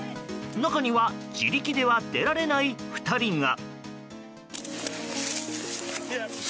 中には自力では出られない２人が。